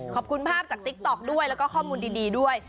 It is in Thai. ขอบคุณภาพจากติ๊กต๊อกด้วยแล้วก็ข้อมูลดีด้วย